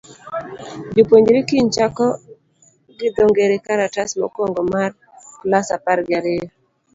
Jopuonjre kiny chako gi dho ngere karatas mokuongo mar klas apar gi ariyo.